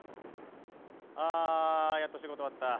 あやっと仕事終わった。